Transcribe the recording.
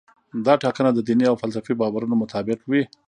دا ټاکنه د دیني او فلسفي باورونو مطابق وي.